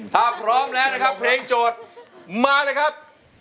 ถ้าพร้อมแล้วนะครับเพลงโจทย์มาเลยครับ